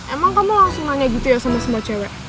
emang kamu langsung nanya gitu ya sama semua cewek